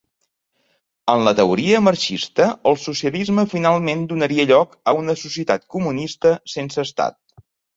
En la teoria marxista el socialisme finalment donaria lloc a una societat comunista sense estat.